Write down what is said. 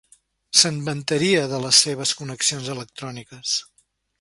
Se'n vantaria, de les seves connexions electròniques.